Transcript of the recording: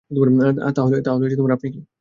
তাহলে, আপনি কি?